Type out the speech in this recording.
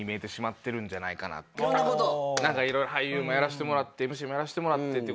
色々俳優もやらしてもらってＭＣもやらしてもらってって。